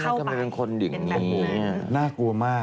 แล้วทำไมเป็นคนอย่างนี้น่ากลัวมากเป็นแบบนี้